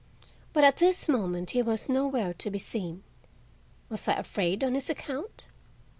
But at this moment he was nowhere to be seen. Was I afraid on his account?